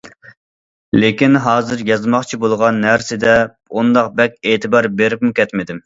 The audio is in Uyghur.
لېكىن ھازىر يازماقچى بولغان نەرسىدە ئۇنداق بەك ئېتىبار بېرىپمۇ كەتمىدىم.